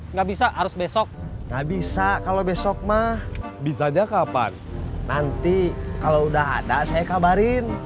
nggak bisa harus besok nggak bisa kalau besok mah bisa aja kapan nanti kalau udah ada saya kabarin